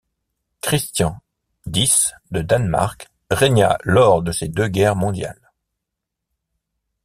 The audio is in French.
Christian X de Danemark régna lors des deux Guerres mondiales.